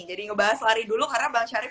ngebahas lari dulu karena bang syarif